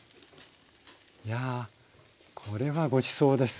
いやこれはごちそうです。